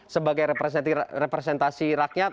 sebagai representasi rakyat